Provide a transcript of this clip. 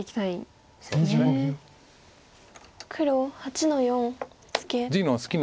黒８の四ツケ。